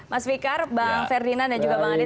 mas fikar bang ferdinand dan juga bang adi